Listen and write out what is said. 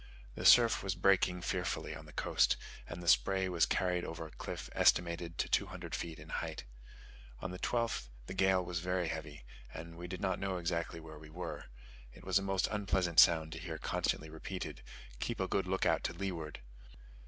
The surf was breaking fearfully on the coast, and the spray was carried over a cliff estimated to 200 feet in height. On the 12th the gale was very heavy, and we did not know exactly where we were: it was a most unpleasant sound to hear constantly repeated, "keep a good look out to leeward."